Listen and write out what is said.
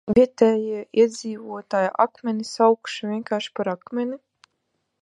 Vietējie iedzīvotāji akmeni saukuši vienkārši par Akmeni.